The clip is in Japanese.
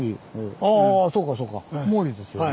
ああそうかそうか毛利ですよね。